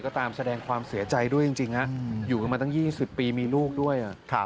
ก็ตามแสดงความเสียใจด้วยจริงอยู่กันมาตั้ง๒๐ปีมีลูกด้วย